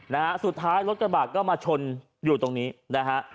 นะฮะสุดท้ายรถกระบะก็มาชนอยู่ตรงนี้นะฮะ